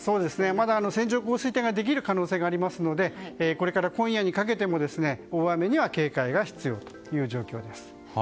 まだ線状降水帯ができる可能性がありますのでこれから今夜にかけても大雨には警戒が必要という状況です。